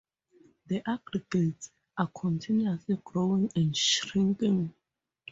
The aggregates are continuously growing and shrinking.